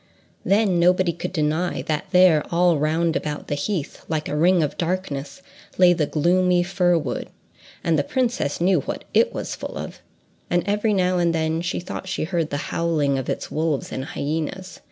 Then nobody could deny that there, all round about the heath, like a ring of darkness, lay the gloomy fir wood, and the princess knew what it was full of, and every now and then she thought she heard the howling of its wolves and hyenas.